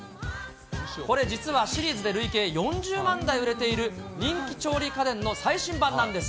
これ、実はシリーズで累計４０万台売れている人気調理家電の最新版なんです。